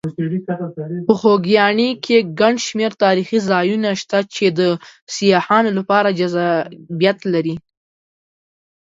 په خوږیاڼي کې ګڼ شمېر تاریخي ځایونه شته چې د سیاحانو لپاره جذابیت لري.